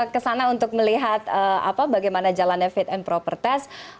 kesana untuk melihat bagaimana jalannya fit and proper test